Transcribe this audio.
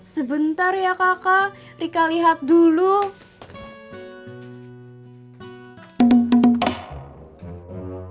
sebentar ya kakak rika lihat nih gak tahu kakak sebentar ya kakak rika lihat nih